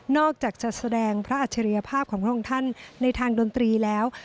อกจากจะแสดงพระอัจฉริยภาพของพระองค์ท่านในทางดนตรีแล้ว